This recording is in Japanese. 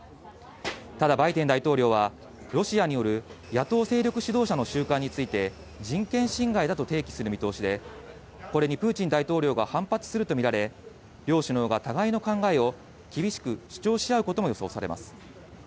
ただバイデン大統領は、ロシアによる野党勢力指導者の収監について、人権侵害だと提起する見通しで、これにプーチン大統領が反発すると見られ、両首脳が互いの考えを厳しく主張し合うことも予想されます。